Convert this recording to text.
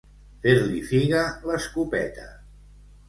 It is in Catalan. Fer-li figa l'escopeta.